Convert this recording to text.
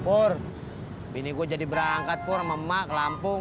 pur bini gue jadi berangkat pur sama mak ke lampung